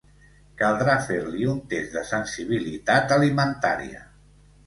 Caldrà fer-li un test de sensibilitat alimentària.